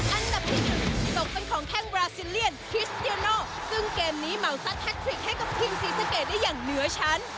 อันดับที่หนึ่งตกเป็นของแข้งบราซิเลียนคิสเตียโนซึ่งเกมนี้เหมาซัดแท็กทริกให้กับทีมศรีสะเกดได้อย่างเหนือชั้น